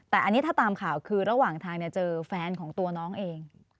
แต่อันนี้ถ้าตามข่าวคือระหว่างทางเจอแฟนของตัวน้องเอง